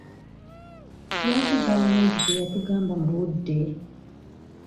Lwaki gavumenti teyatugamba mu budde?